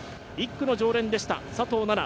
１区の常連でした佐藤奈々。